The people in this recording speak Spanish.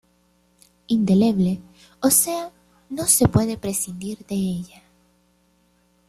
Indeleble,o sea no se puede prescindir de ella.